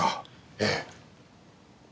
ええ。